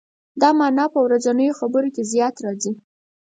دا معنا په ورځنیو خبرو کې زیات راځي.